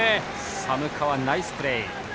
寒川、ナイスプレー。